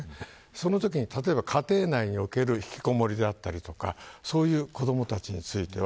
そのときに、例えば家庭内におけるひきこもりであったりそういう子どもたちについては